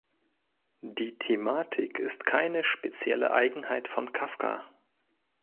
Die Thematik ist keine spezielle Eigenheit von Kafka.